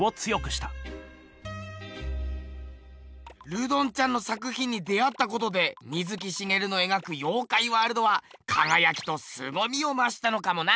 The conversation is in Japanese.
ルドンちゃんの作ひんに出会ったことで水木しげるの描く妖怪ワールドはかがやきとすごみをましたのかもな。